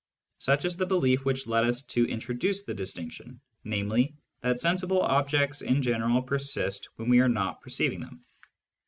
Such is the belief which led us to introduce the distinction, namely, that sensible objects in general persist when we are not perceiving them.